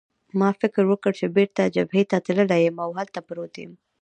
ما فکر وکړ چې بېرته جبهې ته تللی یم او هلته پروت یم.